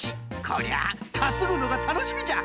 こりゃあかつぐのがたのしみじゃ！